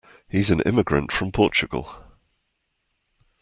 He's an immigrant from Portugal.